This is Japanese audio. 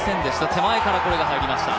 手前から、これが入りました。